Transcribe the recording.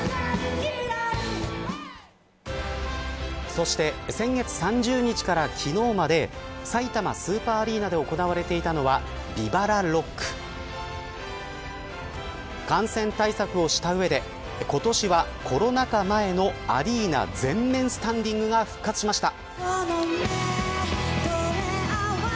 そして、先月３０日から昨日までさいたまスーパーアリーナで行われていたのはＶＩＶＡＬＡＲＯＣＫ感染対策をした上で今年はコロナ禍前のアリーナ前面スタンディングが復活しました。